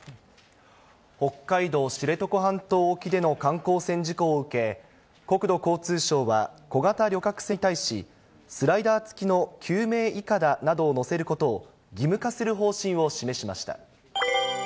北海道知床半島沖での観光船事故を受け、国土交通省は、小型旅客船に対し、スライダー付きの救命いかだなどを載せることを義務化する方針を示しました。